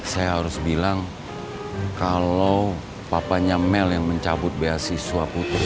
saya harus bilang kalau papanya mel yang mencabut beasiswa putri